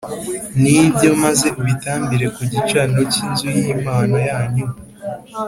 ni byo maze ubitambire ku gicaniro cy inzu y Imana yanyu